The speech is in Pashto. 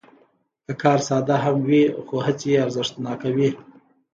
که کار ساده هم وي، خو هڅې یې ارزښتناکوي.